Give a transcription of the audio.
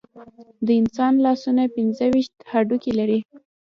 د انسان لاسونه پنځه ویشت هډوکي لري.